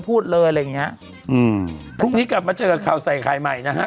พูดเลยอะไรอย่างเงี้ยอืมพรุ่งนี้กลับมาเจอกับข่าวใส่ไข่ใหม่นะฮะ